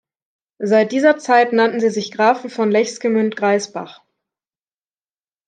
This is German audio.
Seit dieser Zeit nannten sie sich Grafen von Lechsgemünd-Graisbach.